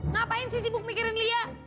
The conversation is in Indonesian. ngapain sih sibuk mikirin lia